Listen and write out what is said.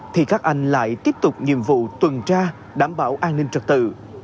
thì các anh lại tiếp tục nhiệm vụ tuần tra đảm bảo an ninh trật tự